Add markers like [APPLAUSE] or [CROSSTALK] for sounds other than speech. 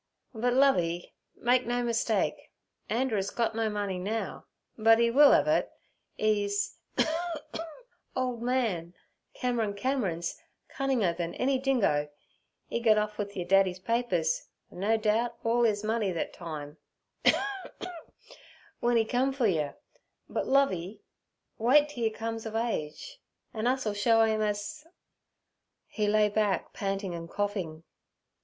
'But, Lovey, make no mistake. Anderer's gut no money now, but 'e will ev it—'e's [COUGHS] old man Cameron Cameron's cunninger then any dingo. 'E gut off wi' yur daddy's papers, an' no doubt all 'is money thet time' [COUGHS] 'w'en 'e cum fer you. But, Lovey, wait t' yer comes' ov age an' us'll show 'im us—' He lay back panting and coughing.